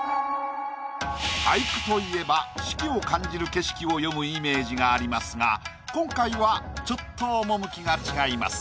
俳句といえば四季を感じる景色を詠むイメージがありますが今回はちょっと趣が違います。